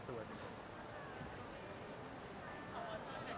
อ๋อชอบแบบนี้